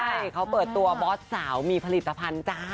ใช่เขาเปิดตัวบอสสาวมีผลิตภัณฑ์จ้า